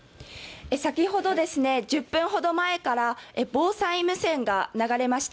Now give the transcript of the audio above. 先ほど１０分ほど前から防災無線が流れました。